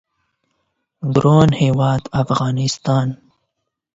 ګران هیواد افغانستان